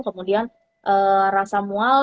kemudian rasa mual